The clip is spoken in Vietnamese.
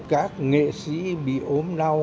các nghệ sĩ bị ốm đau